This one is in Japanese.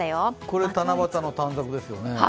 これ、七夕の短冊ですよね。